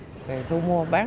thì thu mua bán